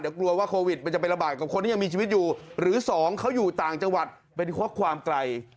เดี๋ยวกลัวว่าโควิดมันจะไประบาดกับคนที่ยังมีชีวิตอยู่หรือสองเขาอยู่ต่างจังหวัดเป็นเพราะความไกล